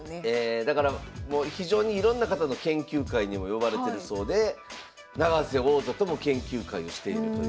だからもう非常にいろんな方の研究会にも呼ばれてるそうで永瀬王座とも研究会をしているという。